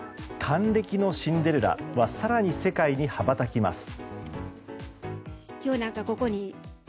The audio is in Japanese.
還暦のシンデレラは更に世界に羽ばたきます。